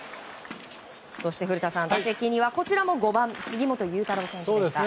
そして古田さん、打席にはこちらも５番杉本裕太郎選手です。